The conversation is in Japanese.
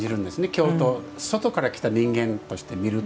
京都外から来た人間として見るとね